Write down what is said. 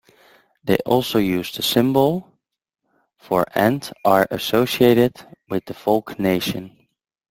They also use the symbols for and are associated with the Folk Nation.